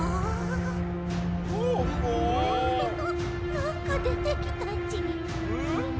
なんかでてきたち。